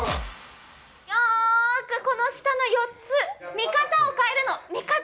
よーくこの下の４つ、見方を変えるの。